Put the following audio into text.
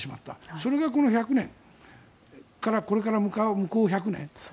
それがこの１００年からこれから向かう向こう１００年。